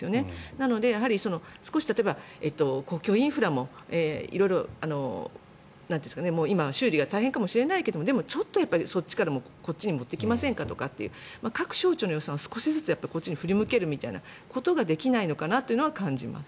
なので、やはり少し公共インフラも色々今、修理が大変かもしれないけどでも、ちょっとそっちからもこっちに持ってきませんかとか各省庁の予算を少しずつこっちに振り向けることができないのかなと感じます。